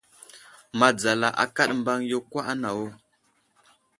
Madzala akaɗ mbaŋ yo kwa anawo.